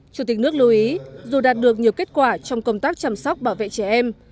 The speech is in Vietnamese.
chủ tịch nước lưu ý dù đạt được nhiều kết quả trong công tác chăm sóc bảo vệ trẻ em